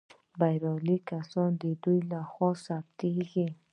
بریالي کسان د دوی لخوا ثبت کیږي.